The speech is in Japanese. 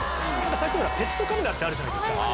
最近ほらペットカメラってあるじゃないですか。